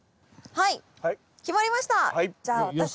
はい。